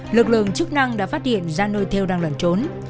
lực lượng chức năng đã phát hiện ra nơi theo đang lẩn trốn